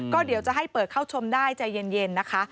ก็เดี๋ยวจะให้เปิดเข้าชมได้ใจเย็นนะคะ